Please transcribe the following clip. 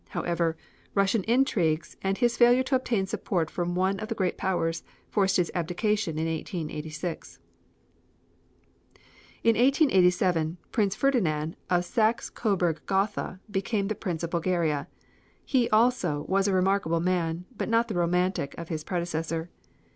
However, Russian intrigues, and his failure to obtain support from one of the great powers, forced his abdication in 1886. In 1887 Prince Ferdinand of Saxe Coburg Gotha became the Prince of Bulgaria. He, also, was a remarkable man, but not the romantic of his predecessor.